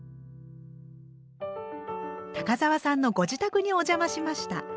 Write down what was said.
高沢さんのご自宅にお邪魔しました。